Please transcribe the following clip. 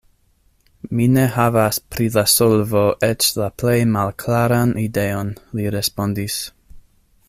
"Mi ne havas pri la solvo eĉ la plej malklaran ideon," li respondis.